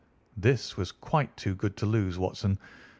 "This was quite too good to lose, Watson.